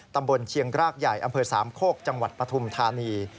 ตำบลเชียงกรากใหญ่อำเภอสามโคกจังหวัดปฐุมธานี